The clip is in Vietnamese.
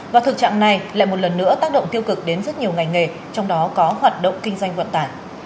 và thực trạng này lại một lần nữa tác động tiêu cực đến rất nhiều ngành nghề trong đó có hoạt động kinh doanh vận tải